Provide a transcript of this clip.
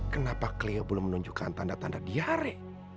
kenapa klien belum menunjukkan tanda tanda diare